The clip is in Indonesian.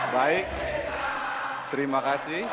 baik terima kasih